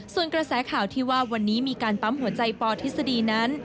ส่วนกระแสข่าวที่ว่าวันนี้มีการปั๊มหัวใจปทฤษฎีนั้น